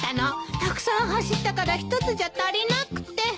たくさん走ったから１つじゃ足りなくて。